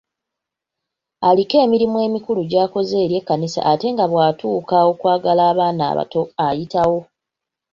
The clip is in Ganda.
Aliko emirimu emikulu gy'akoze eri ekkanisa ate nga bw'atuuka okwagala abaana abato ayitawo.